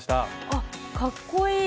あっかっこいい！